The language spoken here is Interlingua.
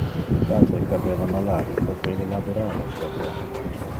Mi patre cadeva malade proque ille laborava troppo.